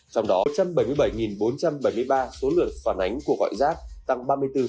trong đó một trăm bảy mươi bảy bốn trăm bảy mươi ba số lượt phản ánh của gọi giác tăng ba mươi bốn hai